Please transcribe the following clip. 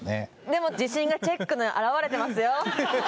でも自信がチェックに表れてますよ